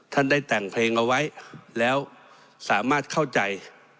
ท่านได้แต่งเพลงเอาไว้แล้วสามารถเข้าใจ